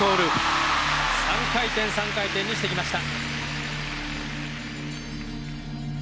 ３回転３回転にしてきました。